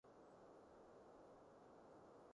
尖沙咀好多舖頭執笠